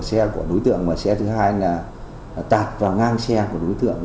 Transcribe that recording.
xe của đối tượng và xe thứ hai là tạp vào ngang xe của đối tượng